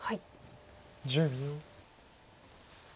１０秒。